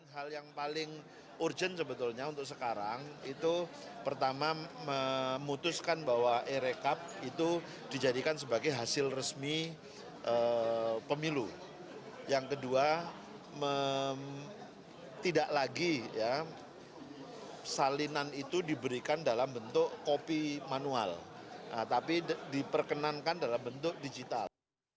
salinan itu diberikan dalam bentuk kopi manual tapi diperkenankan dalam bentuk digital